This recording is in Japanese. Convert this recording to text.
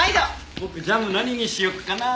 僕ジャム何にしよっかなあ。